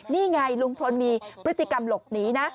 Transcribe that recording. นี่ไงลุงพลมีพฤติกรรมหลบหนีนะ